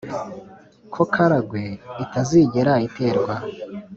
ko karagwe itazigera iterwa.